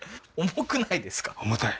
重たい？